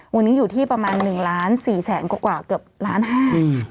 วันนี้อยู่ที่ประมาณหนึ่งล้านสี่แสนกว่ากว่าเกือบล้านห้าอืม